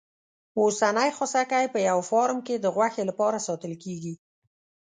اوسنی خوسکی په یوه فارم کې د غوښې لپاره ساتل کېږي.